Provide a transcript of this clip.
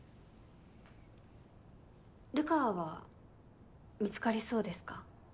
流川は見つかりそうですか？